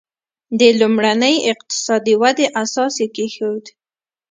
د لومړنۍ اقتصادي ودې اساس یې کېښود.